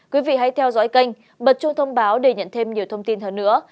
quý vị hãy theo dõi kênh bật trung thông báo để nhận thêm nhiều thông tin hơn nữa